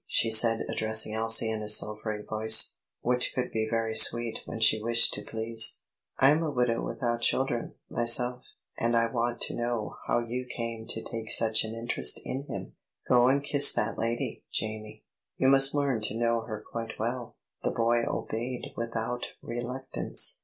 she said, addressing Elsie in her silvery voice, which could be very sweet when she wished to please. "I am a widow without children, myself, and I want to know how you came to take such an interest in him. Go and kiss that lady, Jamie; you must learn to know her quite well." The boy obeyed without reluctance.